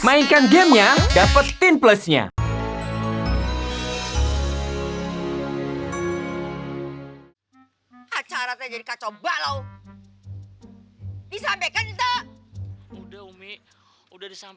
mainkan gamenya dapetin plusnya